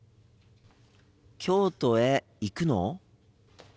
京都へ行くの？